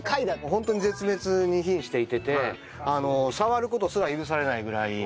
ホントに絶滅に瀕していてて触る事すら許されないぐらい。